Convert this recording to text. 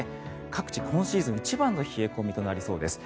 各地、今シーズン一番の冷え込みとなりそうです。